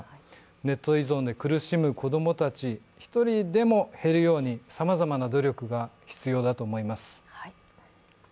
ネット依存で苦しむ子供たち、一人でも減るようにさまざまな努力が必要だと思います。